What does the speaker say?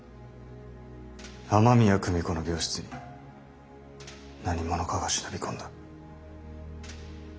雨宮久美子の病室に何者かが忍び込んだ。